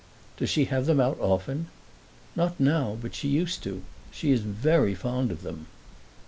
"Does she have them out often?" "Not now, but she used to. She is very fond of them."